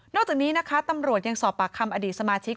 จากนี้นะคะตำรวจยังสอบปากคำอดีตสมาชิก